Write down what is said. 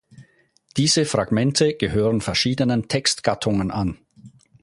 Diese Fragmente gehören verschiedenen Textgattungen an.